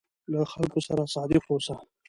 له خلکو سره صادق اوسه.